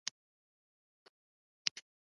د میرمنو کار او تعلیم مهم دی ځکه چې سولې بنسټ جوړوي.